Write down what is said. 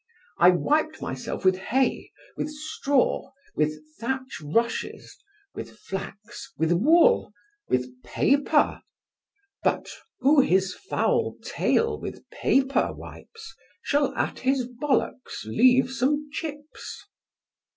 I wiped myself with hay, with straw, with thatch rushes, with flax, with wool, with paper, but, Who his foul tail with paper wipes, Shall at his ballocks leave some chips.